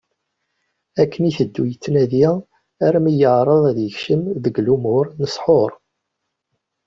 Akken i iteddu yettnadi armi yeεreḍ ad yekcem deg lumuṛ n ssḥur.